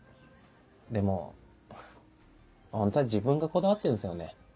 でもホントは自分がこだわってんすよね。